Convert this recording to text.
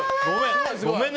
ごめんね。